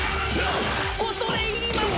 恐れ入ります！